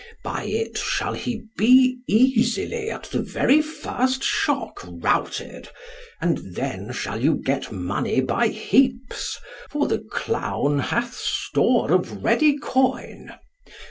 By it shall he be easily at the very first shock routed, and then shall you get money by heaps, for the clown hath store of ready coin.